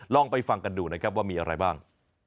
ลองไปฟังกันดูนะครับว่ามีอะไรบ้าง